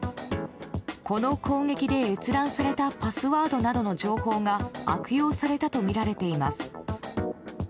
この攻撃で閲覧されたパスワードなどの情報が悪用されたとみられています。